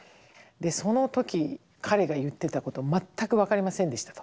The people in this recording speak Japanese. その時「彼が言ってたこと全く分かりませんでした」と。